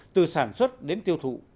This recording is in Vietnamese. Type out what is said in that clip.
từ sản xuất đến tiêu thụ